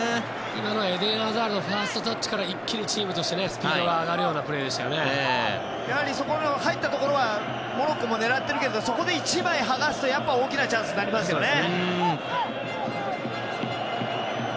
今のはエデン・アザールのファーストタッチから一気にチームとしてスピードが上がるような入ったところはモロッコも狙ってるけどそこで１枚剥がすと、やっぱり大きなチャンスになりますよね。